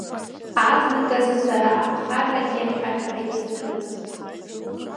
Азныказы, сара аԥхаррагьы ахьшәашәарагьы сныруамызт.